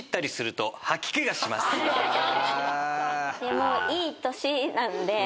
もういい年なんで。